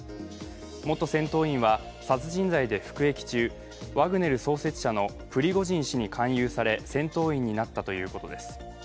元戦闘員は、殺人罪で服役中、ワグネル創設者のプリゴジン氏に勧誘され、戦闘員になったというこです。